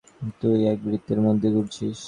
তুই এক বৃত্তের মধ্যেই ঘুরছিস!